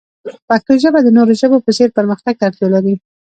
پښتو ژبه د نورو ژبو په څیر پرمختګ ته اړتیا لري.